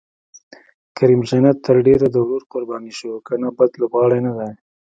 کریم جنت تر ډېره د ورور قرباني شو، که نه بد لوبغاړی نه دی.